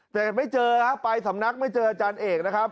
แต่ไม่เจอฮะไปสำนักไม่เจออาจารย์เอกนะครับ